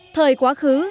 thời quá khứ